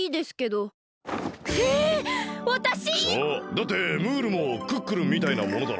だってムールもクックルンみたいなものだろ。